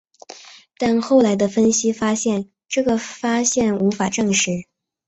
但后来的分析发现这个发现无法证实。